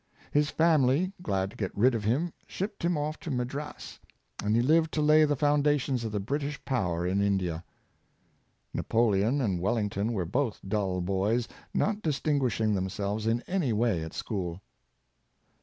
His family, glad to get rid of him, shipped him off' to Madras ; and he lived to lay the foundations of the British power in India. Napoleon and Welling ton were both dull boys not distinguishing themselves in any way at school.